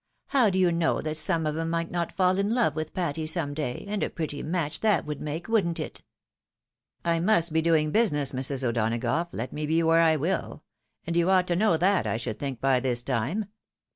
How do you know that some of 'em may not faU in love with Patty, some day, and a pretty match that would make, wouldn't it ?"" I must be doing business, Mrs. O'Donagough, let me be where I will ; and you ought to know that, I should think, by this time.